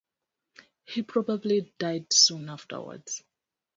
He probably died soon afterwards.